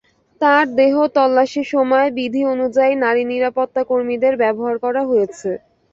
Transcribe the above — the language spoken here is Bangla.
তাঁর দেহ তল্লাশির সময় বিধি অনুযায়ী নারী নিরাপত্তা কর্মীদের ব্যবহার করা হয়েছে।